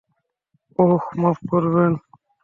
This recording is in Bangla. ওহ মাফ করবেন।